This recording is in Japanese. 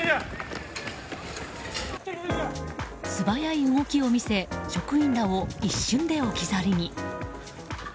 すばやい動きを見せ職員らを一瞬で置き去りに。